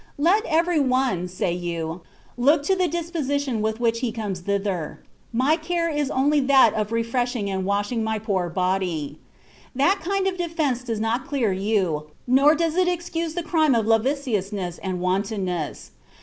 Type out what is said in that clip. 'Let every one,' say you, 'look to the disposition with which he comes thither: my care is only that of refreshing and washing my poor body.' That kind of defence does not clear you, nor does it excuse the crime of lasciviousness and wantonness.